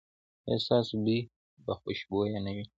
ایا ستاسو بوی به خوشبويه نه وي؟